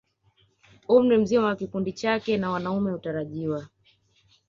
Umri mzima wa kikundi chake na wanaume hutarajiwa